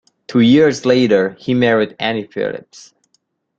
Two years later, he married Annie Phillips.